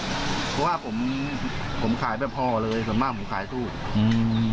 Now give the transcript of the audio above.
เพราะว่าผมผมขายไม่พอเลยส่วนมากผมขายทูบอืม